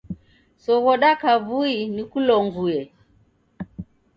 Soghoda kavui nikulonguye.